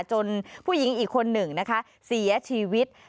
จนผู้หญิงอีกคนหนึ่งเสียชีวิต